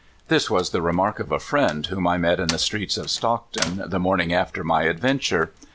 This was the remark of a friend whom I met in the streets of Stockton the morning after my adventure.